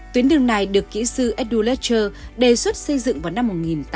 tuyến đường này được kỹ sư edu ledger đề xuất xây dựng vào năm một nghìn tám trăm bảy mươi ba